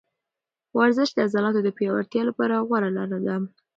ورزش د عضلاتو د پیاوړتیا لپاره غوره لاره ده.